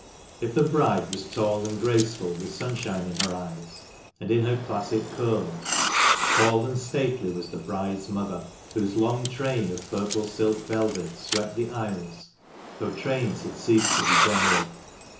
If the bride was tall and graceful, with sunshine in her eyes and in her classic curls, tall and stately was the bride's mother, whose long train of purple silk velvet swept the aisles, though trains had ceased to be general.